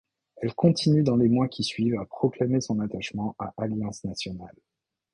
Elle continue dans les mois qui suivent à proclamer son attachement à Alliance nationale.